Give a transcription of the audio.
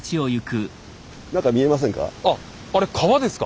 何か見えませんか？